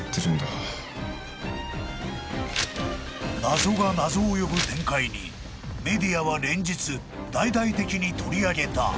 ［謎が謎を呼ぶ展開にメディアは連日大々的に取り上げた］